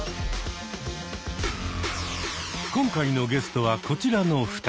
今回のゲストはこちらの２人。